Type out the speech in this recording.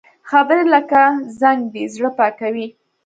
خبرې لکه زنګ دي، زړه پاکوي